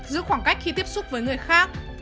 giữ khoảng cách khi tiếp xúc với người khác